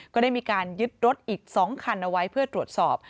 ก็ได้มีการยึดรถอีก๒คันเอาไว้เพื่อตรวจสอบ